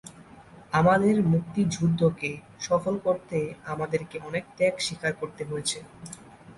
আমাদের মুক্তিযুদ্ধকে সফল করতে আমাদেরকে অনেক ত্যাগ স্বীকার করতে হয়েছে।